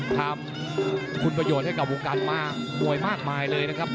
ทำคุณประโยชน์ให้กับวงการมากมวยมากมายเลยนะครับ